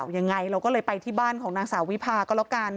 ยังไงเราก็เลยไปที่บ้านของนางสาววิพาก็แล้วกัน